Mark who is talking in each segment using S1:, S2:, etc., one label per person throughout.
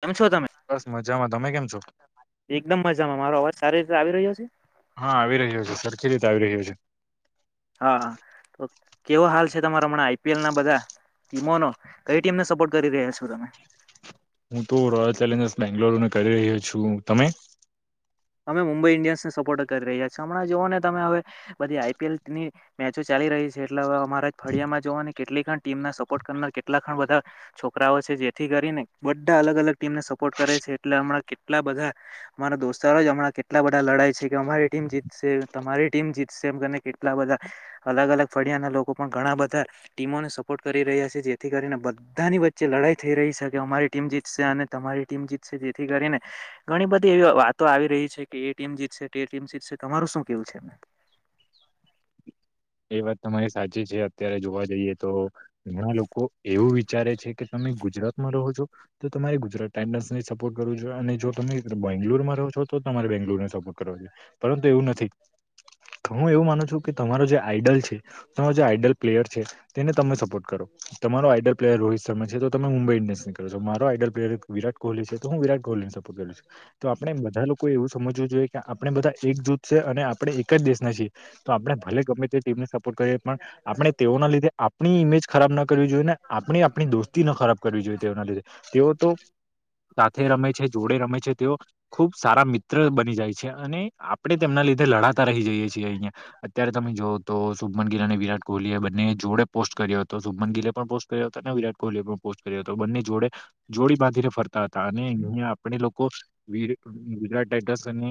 S1: કેમ છો તમે,
S2: બસ મજામાં તમે કેમ છો
S1: એકદમ મજામાં, મારો અવાજ સારી રીતે આવી રહ્યો છે?
S2: હા આવી રહ્યો છે. સરખી રીતે આવી રહ્યો છે.
S1: હા તો કેવો હાલ છે તમારા હમણાં આઈપીએલ ના બધા ટીમોનો કઈ ટીમને સપોર્ટ કરી રહ્યા છો તમે?
S2: હું તો રોયલ ચેલેન્જર્સ બેંગ્લોરુને કરી રહ્યો છું, તમે?
S1: અમે મુંબઈ ઈન્ડિયન્સને સપોર્ટ કરી રહ્યા છીએ. હમણાં જુઓને ને તમે હવે બધી આઈપીએલ ની મેચો ચાલ લી રહી છે એટલે અમારા જ ફળિયામાં જોવાની કેટલીણ ટીમ ના સપોર્ટ કરનાર કેટલાણ બધા છોકરાઓ છે. જેથી કરીને બા અલગ અલગ ટીમને સપો ર્ટ કરે છે એટલે હમણા કેટલા બધા અમારા દોસ્ત તારો જ હમણાં કેટલા બધા લડાઈ છે કે અમારી ટીમ જીતશે તમારી ટીમ જીતશે એમ કેટલા બધા અલગ અલગ ફળિયા ના લોકો પણ ઘણા બધા ટીમોને સપોર્ટ કરી રહ્યા છે. જેથી કરીને બધાની વચ્ચે લ ડાઈ થઈ રહી છે કે અમારી ટીમ જીતશે અને તમારી ટીમ જીતશે. જેથી કરીને ઘણી બધી એવી વાત તો આવી રહી છે કે એ ટીમ જીતશે તે ટીમ જીતશે તમારું શું કેવું છે એમને? [inaudible]
S2: એ વાત તમારી સાચી છે અત્યારે જોવા જઈએ તો ઘણા લોકો એવું વિચારે છે કે તમે. ગુજરાતમાં રહો છો તો તમારે ગુજરાત ટાન્ડસ સપોર્ટ કરવો જોઈ અને જો તમે બેંગલોુરમાં રહો છો. તો તમારે બેંગ્લુરને સપોર્ટ કરવો જોઈએ પરંતુ એવું નથી હું એવું માનું છું કે તમારો જે. આઈડલ છે તમા જે આઈડલ પ્લેયર છે તેને તમે સપોર્ટ કરો તમારો આઈડલ પ્લેયર રોહિત શર્મા છે. તમે મુંબઈ ઇન્ડયસને કરો છો મારો આઈડલ પ્લેયર વિરાટ કોહલી છે તો હું વિરાટ કોહલીનેપ કરું તો આપણે બધા. લોકો એવું સમજવું જોઈએ કે આપણે બધા એક જૂથ છે અને આપણે એક જ દેશના છીએ તો આપણે ભલે ગમે. ટીમને સપોર્ટ કરીએ પણ આપણે તેઓના લીધે આપણી ઇમેજ. ખરાબ ના કરવી જોઈએ ને આપણી આપણી દોસ્તી ન ખરાબ કરવી જોઈએ તેઓના લીધે તેઓ તો. સાથે રમે છે જોડે રમે છે તેઓ ખુબ સારા મિત્ર બની જાય છે અને આપડે. તેમના લીધે લડાતા રહી જઈએ છીએ અહિયાં અત્યારે તમે જો. તો શુભમન ગિલ અને વિરાટ કોહલીએ બંને જોડે પોસ્ટ કર્યો હતો શુભમન ગિલે પણ પોસ્ટ કર્યો હતો ને વિરાટ કોહલીએ પણ. બને જોડે જોડી બાંધીને ફરતા હતા અને અહં આપણે લોકો. વિરાટ ટાઈગર્સ અને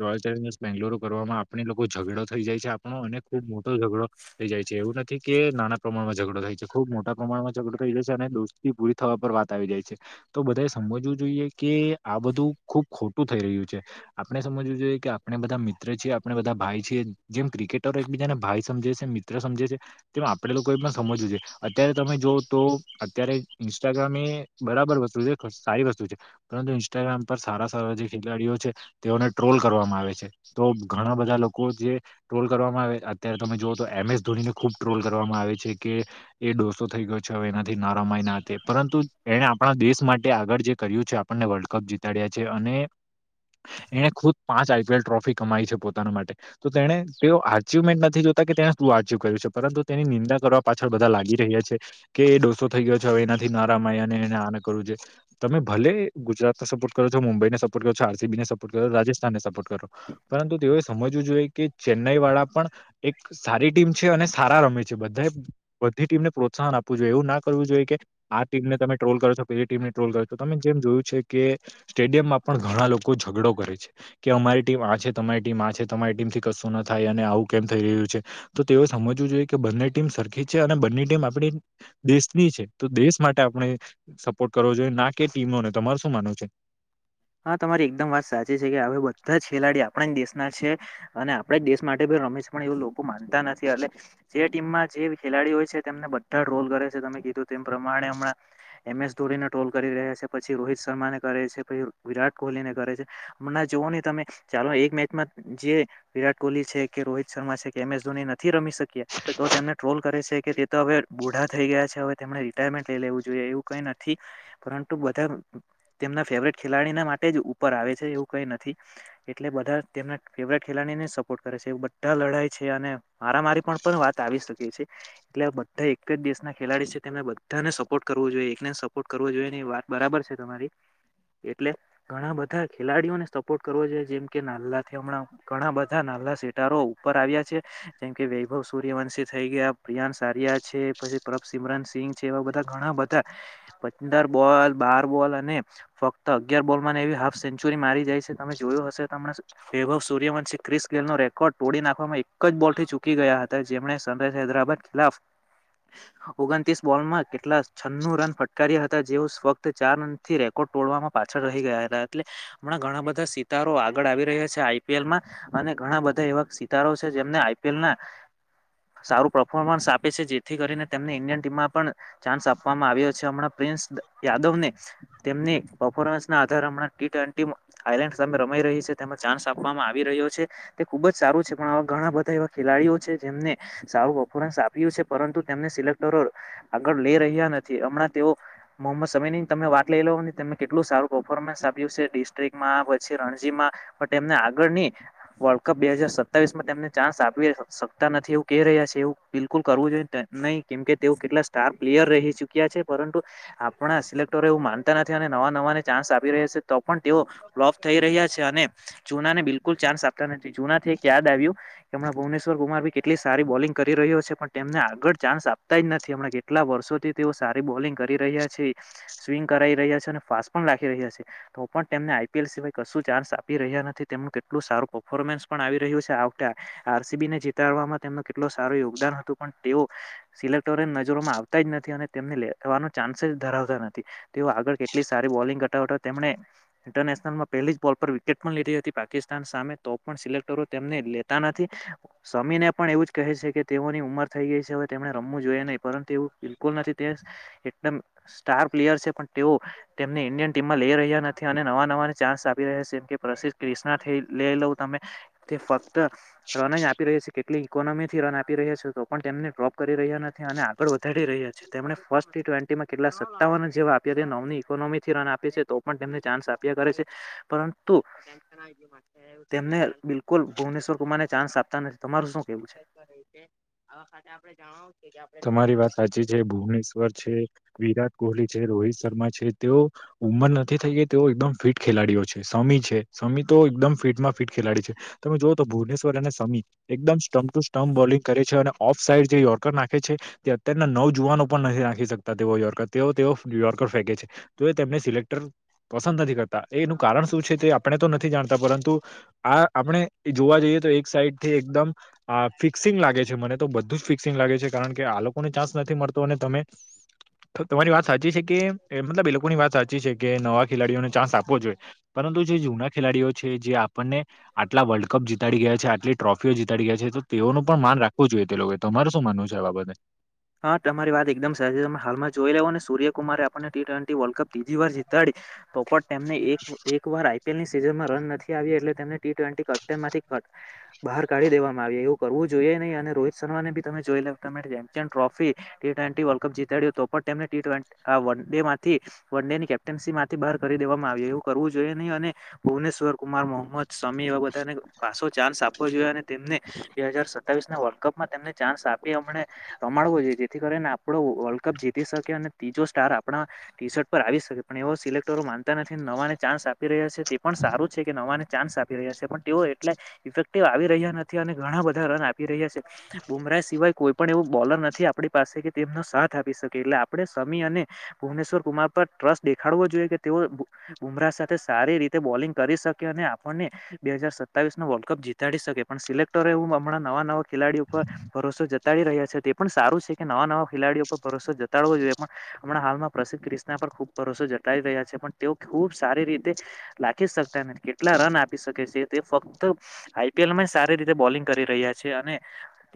S2: રોયલ ચેલેન્જર્સ બેંગલોર કરવામાં આપણી લોકો ઝઘડો થઈ જાય છે આપણો અને. ખુબ મોટો ઝઘડો થઈ જાય છે એવું. થી કે નાના પ્રમાણમાં ઝઘડો થાય છે ખુબ મોટા પ્રમાણમાં ઝઘડો થઈ જાય છે અને દોસ્તી પૂરી થવા પર વાત આવી જાય છે. તો બધાએ સમજવું જોઈએ કે આ બધું ખુબ ખોટું થઈ રહ્યું છે આપણે સમજવું જોઈએ કે. આપણે બધા મિત્ર છએ આપણે બધા ભાઈ છેએ જેમ ક્રિકેટર. બીજાને ભાઈ સમજે છે મિત્ર સમજે છે તે આપડે લોકોએ પણ સમજવું જો અત્યારે તમે જો તો. અત્યારે ઇન્સ્ટાગ્રામ એ બરાબર વસ્તુ છે સારી વસ્તુ છે પરંતુ ઇન્સ્ટાગ્રામ પર સારા સારા જે. ખેલાડીઓ છે તેઓને ટ્રોલ કરવામાં આવે છે તો ઘણા બધા લોકો જે ટ્રોલ કરવામાં આવે અત્યારે તમે જુઓ તો એમ એસ ધોનીને ખુબ ટ્રોલ કરવામાં આવે છે કે એ ડોસો થઈ ગયો છે હવે એનાથી નારા પરંતુ એણે આપણા દેશ માટે આગળ જે કર્યું છે આપણને વર્લ્ડ કપ જીતાડ્યા છે અને એણે ખુદ પાંચ આઈપીએલ ટ્રોફી કમાઈ છે પોતાના માટે તો તેને તેઓ અચિવમેન્ટ નથી જોતા કે તેને શું અચીવ કર્યું છે પરંતુ તેની નિંદા કરવા પાછળ બધા લાગી રહ્યા છે કે એ ડોસો થ ગયો હવે એનાથી નારામનેને આ કરવું છે તમે ભલે ગુજરાતને સપોર્ટ કરો છો મુંબઈને. આરસીબીને સપોર્ટ કરો રાજસ્થાનને સપોર્ટ કરો પરંતુ તેઓ સમજવું જોઈએ કે ચેન્નાઈ વાળા. પણ એક સારી ટીમ છે અને સારા રમે છે બધા બધી ટીમને પ્રોત્સાહન આપવું જોઈએ એવું ના કર. આ ટીમને તમે ટ્રોલ કરો છો પેલી ટીમને ટ્રોલ કરોો તમે જેમ જોયું છે કે સ્ટેડિયમમાં. પણ ઘણા લોકો ઝઘડો કરે છે કે અમારી ટીમ આ છે તમારી ટીમ આ છે તમારી ટીમ થી કશું ના થાય અને આવું. કેમ થઈ રહ્યું છે તો તેઓ સમજવું જોઈએ કે બંને ટીમ સરખી છે અને બંને ટીમ આપણી દેશની. તો દેશ માટે આપણે સપોર્ટ કરવો જોઈએ ના કે ટીમોને તમાર શું માનવ છે.
S1: હા તમારી એકદમ વાત સાચી છે કે હવે બધા જ ખેલાડી આપણા દેશના છે અને આપણા દેશ માટે. રમેશ પણ એવું લોકો માનતા નથી એટલે. જે ટીમમાં જે ખેલાડી હોય છે તેમને બધા જ રોલ કરે છે તમે કીધું તેમ પ્રમાણે હમણાં એમ એસ ધો. ટોલ કરી રહ્યા છે પછી રોહિત શર્માને કરે છે, પછી, વિરાટ કોહલીને કરે છે હમણાં જોવ નહી તમે ચાલો એક મેચમાં જે વિરાટ કોહલી છે કે, રોહિત શર્મા છે કે એમ એસ ધોની નથી રી શકી્યા તો તેમને ટ્રોલ કરે છે કે, હવે બોઢા થઈ ગયા છે હવે તેમણે રિટાયરમેન્ટ લઈ લેવું જોઈએ એવું કઈ નથી પરંતુ બધા. તેમના ફેવરેટ. ખેલાડીના માટે જ ઉપર આવે છે એવું કઈ નથી એટલે બધા તેમના ફેવરેટ ખેલાડીને સપોર્ટ કરે, બધા લડાઈ છે અને મારા મારી પણ પણ વાત આવી શકે છે એટલે બધા એક જ દેશના. ખેલાડી છે તેમને બધાને સપોર્ટ કરવો જોઈએ એકને સપોર્ટ કરવો જોઈએ એ વાત બરાબર છે તમારી. એટલે ઘણા બધા ખેલાડીઓને સપોર્ટ કરવો જોઈએ જેમ કે નાલ્લા હમણાં. ઘણા બધા નાલા સેટારો ઉપર આવ્યા છે જેમકે વૈભવ સૂર્યવંશ થઈ ગયા પ્રિયાન. પછી સિમરન સિંગ છે એવા બધા ઘણા બધા પદાર બોલ બાર બોલ. અને ફોક્ક, તો અગિયાર બોલ માં એવી હાફ સેન્ચુરી મારી જાય છે તમે જોયું હશે તમ વૈભવ સૂર્યવંશિ ક્રિસ ગેલ ન રેકોર્ડ તોડી નાખવામાં એક જ બોલ થી ચૂકી ગયા હતા જેમને સનરાઈઝર હૈદરાબાદ ખિલા. ઓગણત્રીસ બોલમાં કેટલા છન્નું રન ફટકાર્યા હતા જેવ ફક્ત ચાર રન થી રેકોર્ડ તોડવામાં. પાછળ રહી ગયા હતા એટલે હમણા ઘણા બધા સિતારો આગળ આવી રહ્યા છે આઈપીએલમાં અને ઘણા બધ ધા એવા સિતારો છે જેમને આઈપીએલ ના સારું પર્ફોર્મન્સ આપે છે જેથી કરીને તેમને ઇન્ડિયન ટીમમાં પણ ચાન્સ આપવામાં આવ્યો છે હમણાં પ્રિન્સ દ યાદવને તેમને પફોરન્સ ના આધર હમણાં ટી ટવેન્ટી મુ આયલેન્ડ સામે રમાઈ રહી છે તેમાં ચાન્સ આપવામાં આવી રહ્યો છે. ખુબ જ સારું છે પણ આવા ઘણા બધા એવા ખેલાડીઓ છે જેમને સારું પર્ફોર્મન્સ આપ્યું છે પરંતુ તેમને તેના પર આગળ લઈ રહ્યા નથી હમણાં તેઓ મોહમ્મદ સમીર ની તમે વાત લઈ લો તમેં. કેટલું સારું પર્ફોમન્સ આપ્યું છે ડિસ્ટ્રિકમાં પછી રણજી માં પણ એને આગળની વર્લ્ડ કપ બે હજાર સતાવીસ માં તેમને ચાન્સ આપી શકતા નથી એવું ક રહ્યા છે એવું બિલકુલ કરવું જોઈએ નહી કેમ કે તેવું કેટલા સ્ટાર પ્લેયર રહી ચુક્યા છે પરંતુ આપણા સિલેક્ટર એવું માનતા નથી અને નવા નવાને ચાન્સ આપી રહ્યા છે તો પણ તેઓ ફ્લોપ થઈ રહ્યા છે અને જુના ને બિલકુલ ચાન્સ આપતા નથી જુના થી એક યાદ આવ્યું કે હમણા ભુવનેશ્રર કુમાર ભી કેટલી સારી બોલિંગ કરી રહ્યો છે પણ તેમને આગળ ચાન્સ આપતા જ નથી હમણાં કેટલા વર્ષોથી તેઓ સારી બોલિંગ કરી રહ્યા છે સ્વિંગ કરાઈ રહ્યા છે ને ફાસ્ટ પણ લખી રહ્યા છે તો પણ તેમને આઈપીએલ સિવાય કશું ચાન્સ આપી રહ્યા નથી તેમનું કેટલું સારું પફોર્મ મેસ પણ આવી રહ્યું સે આવખતે આરસીબીને જીતાડવામાં તેમનું કેટલ સારું યોગદાન હતું પણ તેઓ સિલેક્ટરો નજરોમાં આવતા જ નથી અને તેમને લેવાનો ચાન્સ ધરાવતા નથી તેઓ આગળ તે સારી બોલિંગ હોટા તેમણે ઇન્ટરનેશનલમાં પહેલી જ બોલ પર વિકેટ પણ લીધી હતી પાકિસ્તાન સામે તો તો પણ સિલેક્ટરો તેમને લેતા નથી સમીને પણ એવું જ કહે છે કે તેઓની ઉંમર થઈ ગઈ છે હવે તેમને રમવું જોઈએ નહીં પરંતુ એવું બિલકુલ નથી તે એકદમ સ્ટાર પ્લેયર છે પણ તેઓ તેમને ઇન્ડિયન ટીમમાં લઈ રહ્યા નથી અને નવા નવાને ચાન્સ આપી રહ્યા છે જેમ કે પ્રસિદ્ધ ક્રિષ્ણા થી લેઈ લઉ તમ તે ફર રન જ આપી રહી છે કેટલી ઇકોનોમી થી રન આપી રહ્યા છે તો પણ તેમને ડ્રોપ કરી રહ્યા નથી અને આગળ વધારી રહ્યા છે તેમણે ફર્સ્ટ ટી ટ્વેન્ટીમાં કેટલા સત્તાવન જેવા આપ્યા તા નવની કોમીથી રન આપે છે તો પણ તેમને ચાન્સ આપ્યા કરે છે પરંતુ તેમ તને બિલકુલ ભુવનેશ્વર કુમારને ચાન્સ આપતા નથી તમારું શું કેવું છે?
S2: તમારી વાત સાચી જ જે ભુવનેશ્વર છે વિરાટ કોહલી છે રોહિત શર્મા છે તેઓ ઉંમર નથી થઈ ગઈ તેઓ એકદમ ફિટ ખેલાડીઓ છે સમી છે સમી તો એકદમ ફિટમાં ફિટ ખેલાડી છે તમે જોઓ તો ભુવનેશ્વર અને સમી એકદમ સ્ટમ્પ ટુ સ્ટમ્પ બોલિંગ કરે છે અને ઓફ સાઈડ જે યોર્કર નાખે છે તે અત્યારના નવ જુવાનો પણ નથી રાખી શકતા તેઓ યોર્કર તેઓ તેઓ યોર્કર ફેંકે છે તો એ તેમને સિલેક્ટર પસંદ નથી કરતા એનું કારણ શું છે તે આપણે તો નથી જાણતા પરંતુ આ આપણે એ જોવા જઈએ એક સાઈડ થી એકમ ફિકસિંગ લાગે છે મને તો બધું જ ફિકસિંગ લાગે છે કારણ કે આ લોકોને ચાન્સ નથી મળ તો ને તમે તો તમારી વાત સાચી છે કે એ મતલબ એ લોકોની વાત સાચી છે કે નવા ખેલાડીઓને ચાન્સ આપવો જોઈએ પણ પરંતુ જે જૂના ખેલાડીઓ છે જે આપણને આટલા વર્લ્ડ કપ જીતાડી ગયા છે આટલી ટ્રોફીઓ જીતાડી ગયા છે તો તેઓનું પણ માન રાખવું જોઈએ તે લોકોએ તમારું શું માનવું છે આ બાબતે.
S1: હા તમારી વાત એકદમ સાચી છે હાલમાં જોઈ લેઓ ને સૂર્યકુમારે આપણને ટી ટ્વેન્ટી વર્લ્ડ કપ તીજી વાર જીતાડી તો પણ તેમને એક એક વાર આઈ તેમની સીઝનમાં રન નથી આવ્યા એટલે તેમને ટી ટ્વેન્ટી કેપ્ટનમાંથી કર બાહર કાઢી દેવામાં આવી એવું કરવું જોઈએ નહીં અને રોહિત શર્માને બી તમે જોઈ લેવ તમેં કીધું એમ. જેમ trophy T twenty World Cup જીતાડ્યું તો પણ તેમને ટી ટવેન્ટ આ વન ડે માંથી વન ડેની કેપ્ટન સી માંથી બાર કરી દેવામાં આવ્યું એવું કરવું જોઈએ નહી અને ભુવનેશ્વર કુમાર મોહમ્મદ શમી એવા બધાને પાછો ચાન્સ આપવો જોઈએ અને તેમને બે હજાર સતાવીસ ના વર્લ્ડ કપમાં તેમને ચાન્સ આપી એમને પ્રમાડવો જોઈએ જેથી કરીને આપણો વર્લ્ડ કપ જીતી શકે અને ત્રીજો સ્ટાર આપણા ટી શર્ટ પર આવી શકે પણ એવું સિલેક્ટરો માનતા નથી નવાને ચાન્સ આપી રહ્યા છે તે પણ સારું છે કે નવાને ચાન્સ આપી રહ્યા છે પણ તેઓએ એટલે ઇફેક્ટિવ આવી રહ્યા નથી અને ઘણા બધા રન આપી રહ્યા છે બુમરાહ સિવાય કોઈ પણ એવું બોલર નથી આપણી પાસે કે તેમનો સાથ આપી શકે એટલે આપણે સમી અને ભુવનેશ્વર કુમાર પર ટ્રસ્ટ દેખડવો જોઈ કે તેઓ બુ બુમરાહ સાથે સારી રીતે બોલિંગ કરી શકે અને આપણને બે હજાર સત સતાવીસ નો વર્લ્ડ કપ જીતાડી શકે, પણ સિલેક્ટર એવું હમણાં નવા નવા ખેલાડીઓ ઉપર ભરોસો જતાડી રહ્યા છે તે પણ સારું છે કે નવા નવા ખેલાડીઓ પર ભરોસો જતાડવો જોઈએ પણ હમણા હાલમાં પ્રસિદ્ધ ક્રિષ્ના પર ખુબ ભરોસો જતાઈ રહ્યા છે, પણ તેઓ ખૂબ સારી રીતે લાખી શકતા નથી, કેટલા રન આપી શકે છે તે ફક ત આઈપીએલમાં યે સારી રીતે બોલિંગ કરી રહ્યા છે, અને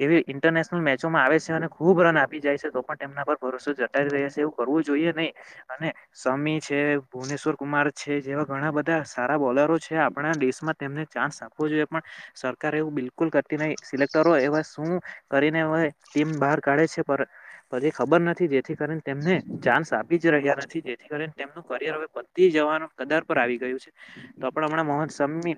S1: એવી ઇન્ટરનેશનલ મેચોમાં આવે છ છે અને ખુબ રન આપી જાય છે તો પણ એમના પર ભરોસો જટાય રહ્યા છે એવું કરવું જોઈએ નહી. અને સમ મી છે, ભુવનેશ્વર કુમાર છે, જેવા ઘણા બધા સારા બોલરો છે આપણા દેેશમાં તેમને ચાન્સ આપ આપવુ જોઈએ પણ સરકારે એવું બિલકુલ કરતી નહી, સિલેક્ટરો એવા શું કરીને હોય ટીમ બહાર કાઢે છે, પર પરી ખબર નથી, જેથી કરન તેમને ચાન્સ આપી જ રહ્યા નથી, જેથી ઘરે તેમનું કરિયર હવે પત્તી જવાનું કદાર પર આવી ગયું છે, તો પણ હમણાં મોહક સમી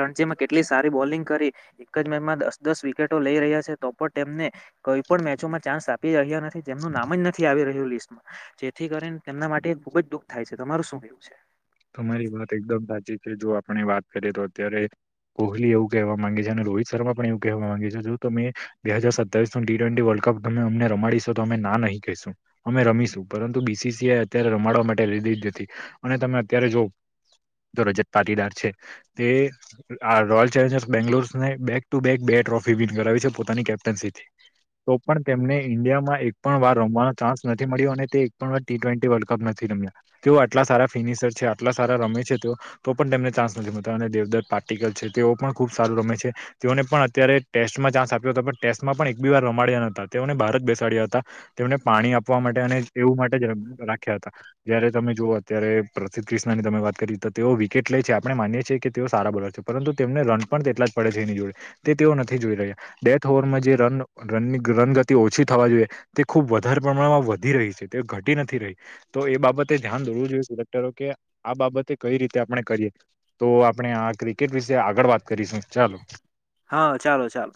S1: રણજીમાં કેટલી સારી બોલિંગ કરી, એક જ મેચમાં દસ દસ વિકેટો લઈ રહ્યા છે તો પણ તેમને કઈ પણ મેચોમાં ચાન્સ આપી રહ્યા નથી, જેમનું નામ જ નથી આવી રહ્યું લિસ્ટમા, જેથી ક રીન તેમના માટે ખુબ જ દુઃખ થાય છે, તમારું શું એવું છે?
S2: તમારી વાત એકદમ સાચી છે, જો આપણે વાત કરીએ તો અત્યારે કોહલી એવું કહેવા માંગે છે, અને રોહિત શર્મા પણ એવું કહેવા માંગે છે, જો તમે બે હજાર સત્તાવીસ નું ટી ટ્વેન્ટી વર્લ્ડ કપ તમને અમને રમાડીશો તો અમે ના નહીં કહીશું, અમે રમીશું, પરંતુ બી સી સીએ અત્યારે રમાડવા માટે દી હતી અને તમે અત્યારે જો તો રજત પાટીદાર છે, તે આ રોયલ ચેલેન્જર્સ બેંગ્લોરને બેક ટુ બેક બે બે ટ્રોફી વિન કરાવી છે પોતાની કેપ્ટનશી થી. તો પણ તેમને ઇન્ડિયામાં એક પણ વાર રમવાનો ચાન્સ નથી મળ્યો, અને તે એક પણ વાર ટી ટ્વેન્ટી વર્લ્ડ કપ નથ થી રમ્યા, તે આટલા સાર ફિનિશર છે આટલા સારા રમે છે તેઓ, તો પણ તેમને ચાન્સ નથી મળતા, અને દેવદત્ત પાર્ટિગલ છે તેઓ પણ ખૂબ સારું રમે છે. તેઓને પણ અત્યારે ટેસ્ટમાં ચાન્સ આપ્યો તો, પણ ટેસ્ટમાં પણ એક બી વાર રમાડ્યા નતા, તેઓને ભારત બેસાડ્યા હતા તેમને પાણી આપવા માટે અને એવું માટે જ રમ રાખ્યા હતા, જયારે તમે જુઓ અત્યારે પ્રસિદધ ક્રિષ્ણાની ત વાત કરી તો તેઓ વિકેટ લે છે આપણે માનીએ છીએ કે તેઓ સારા બોલર છે પરંતુ તેમને રન પણ તેટલા પડે છે એની જોડે તે તેઓ નથી જોઈ રહ્યા, ડેથ ઓવરમાં જે રનનો રનની રનગતિ ઓછી થવા જોઈએ તે ખુબ વધારે પ્રમાણમાં વધી રહી છે, તે ઘટી નથી રહી, તો એ બાબતે ધ્યાન દોડવું જોઈએ [unintelligible] ધારો કે આ બાબતે કઈ રીતે આપણે કરીએ તો આપણે આ ક્રિકેટ વિશે આગળ વાત કરીશું ચાલો.
S1: તો ચાલ.